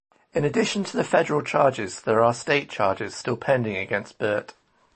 In addition to the federal charges, there are state charges still pending against Burt.